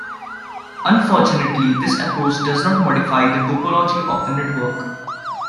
Unfortunately, this approach does not modify the topology of the network.